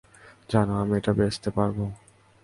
জানো, আমি এটা বেচতে পারবো।